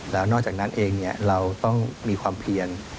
แล้วนอกจากนั้นเองเราต้องมีความเพียร